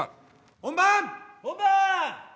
本番。